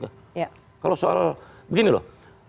kalau soal begini loh